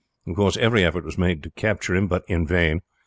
Of course every effort was made to capture him, but in vain.